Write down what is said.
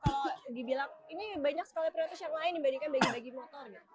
kalau dibilang ini banyak sekolah peratus yang lain dibandingkan bagi bagi motor